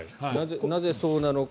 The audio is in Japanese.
なぜそうなのか